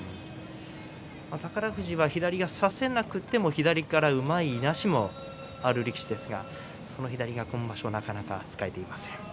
宝富士は左が差せなくても左からうまいいなしもある力士ですが、その左が今場所なかなか使えていません。